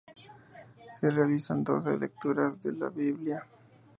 Se realizan doce lecturas de la Biblia.